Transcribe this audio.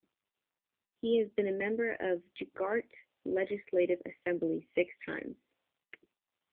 He has been member of Gujarat Legislative Assembly six times.